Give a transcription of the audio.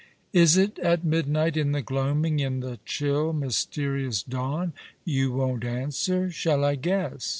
■" Is it at midnight — in the gloaming — in the chill, myste rious doTU? You won't answer! Shall I guess?